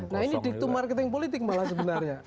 nah ini diktu marketing politik malah sebenarnya